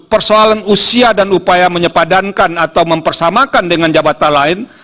persoalan usia dan upaya menyepadankan atau mempersamakan dengan jabatan lain